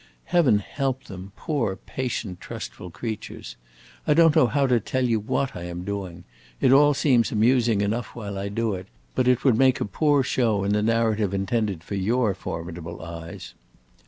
Heaven help them poor, patient, trustful creatures! I don't know how to tell you what I am doing. It seems all amusing enough while I do it, but it would make a poor show in a narrative intended for your formidable eyes.